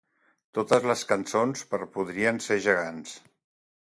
Totes les cançons per Podrien Ser Gegants.